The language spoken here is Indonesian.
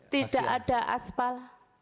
tidak ada asfal